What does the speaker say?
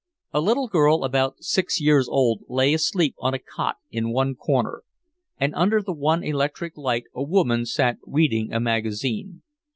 A little girl about six years old lay asleep on a cot in one corner, and under the one electric light a woman sat reading a magazine.